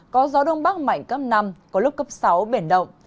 có gió đông bắc mạnh cấp năm có lúc cấp sáu biển động